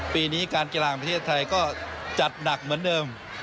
ปีนี้การกีฬาของประเทศไทยก็จัดหนักเหมือนเดิม